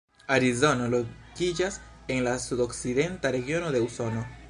Arizono lokiĝas en la sudokcidenta regiono de Usono.